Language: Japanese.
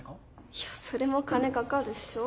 いやそれも金かかるっしょ？